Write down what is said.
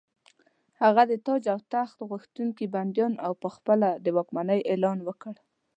هغه د تاج او تخت غوښتونکي بندیان او په خپله د واکمنۍ اعلان وکړ.